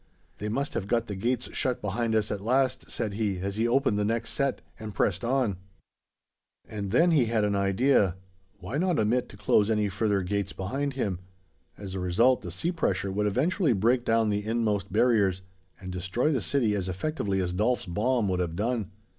"They must have got the gates shut behind us at last," said he, as he opened the next set and pressed on. And then he had an idea. Why not omit to close any further gates behind him? As a result, the sea pressure would eventually break down the inmost barriers, and destroy the city as effectively as Dolf's bomb would have done.